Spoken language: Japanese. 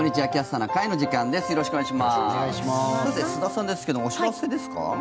さて、須田さんですけどもお知らせですか？